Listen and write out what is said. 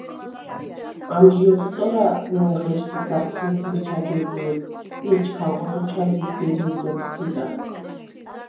ამჟი ოთწორა ლჷნღეშდ დაჴჷლს მიჩა გეზლჷდ ი ეჩქანღვე ხოჩა ლიზგე-ლირდ’ ოთჴიდა.